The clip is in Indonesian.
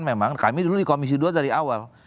memang kami dulu di komisi dua dari awal